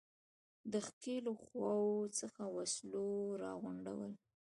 د ښکېلو خواوو څخه وسلو را غونډول.